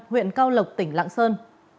huyện cao lộc tỉnh lạng sơn